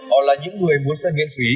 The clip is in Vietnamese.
họ là những người muốn xem miễn phí